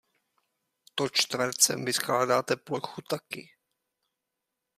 To čtvercem vyskládáte plochu taky.